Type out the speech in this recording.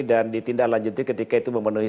ditindaklanjuti ketika itu memenuhi